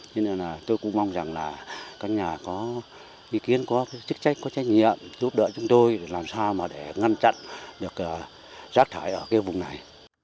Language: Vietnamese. cho nên là tôi cũng mong rằng là các nhà có ý kiến có cái chức trách có trách nhiệm giúp đỡ chúng tôi làm sao mà để ngăn chặn được rác thải ở cái vùng này